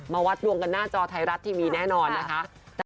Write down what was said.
มาวัดดวงกันหน้าจอไทยรัฐทีวีแน่นอนนะคะ